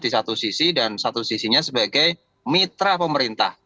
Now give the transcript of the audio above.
di satu sisi dan satu sisinya sebagai mitra pemerintah